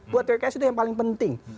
buat pks itu yang paling penting